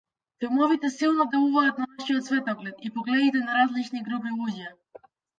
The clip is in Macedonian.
Филмовите силно делуваат на нашиот светоглед и погледите на различни групи луѓе.